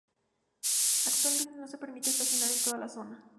Actualmente no se permite estacionar en toda la zona.